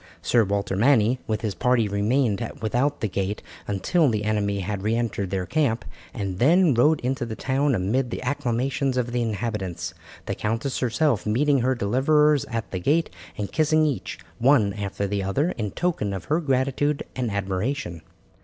Sir Walter Manny with his party remained without the gate until the enemy had re entered their camp, and then rode into the town amid the acclamations of the inhabitants, the countess herself meeting her deliverers at the gate and kissing each, one after the other, in token of her gratitude and admiration.